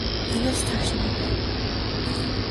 Тэгээд цааш нь юу байв?